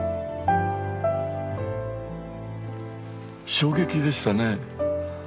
衝撃でしたね。